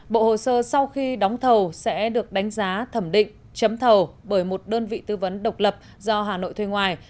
bộ hồ sơ sau khi đóng thầu sẽ được đánh giá thẩm định chấm thầu bởi một đơn vị tư vấn độc lập do hà nội thuê ngoài